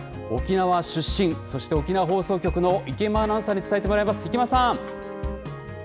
沖縄出身、そして沖縄放送局の池間アナウンサーに伝えてもらいます。